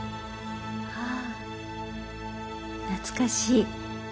ああ懐かしい。